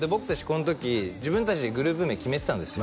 この時自分達でグループ名決めてたんですよ